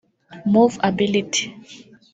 MoveAbility